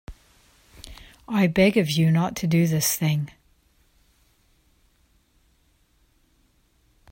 I beg of you not to do this thing.